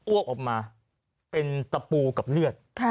วกออกมาเป็นตะปูกับเลือด